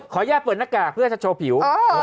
ญาติเปิดหน้ากากเพื่อจะโชว์ผิว